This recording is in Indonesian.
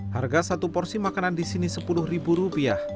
harga satu porsi makanan di sini sepuluh rupiah